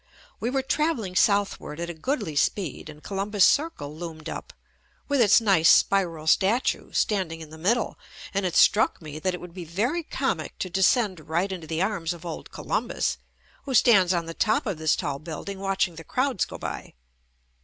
We were traveling southward at a goodly speed and Columbus Circle loomed up, with its nice spiral statue standing in the middle, and it struck me that it would be very comic to de scend right into the arms of old Columbus, who JUST ME s stands on the top of his tall column watching the crowds go by.